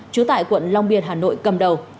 chứa tại quận long biên hà nội cầm đầu